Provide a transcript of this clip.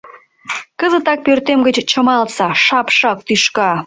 — Кызытак пӧртем гыч чымалтса, шапшак тӱшка!